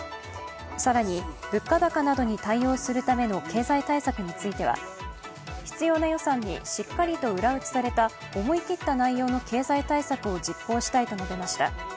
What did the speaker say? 更に物価高などに対応するための経済対策については必要な予算にしっかりと裏打ちされた思い切った内容の経済対策を実行したいと述べました。